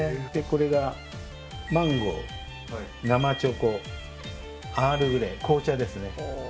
これがマンゴー生チョコアールグレイ紅茶ですね